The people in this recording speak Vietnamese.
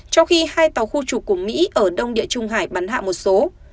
trong khi hai tàu khu trục của mỹ ở đông địa trung hải bắn hạ một số